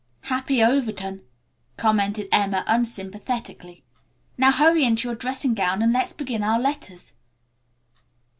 "Happy Overton," commented Emma unsympathetically. "Now hurry into your dressing gown and let's begin our letters."